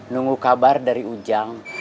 nunggu kabar dari ujang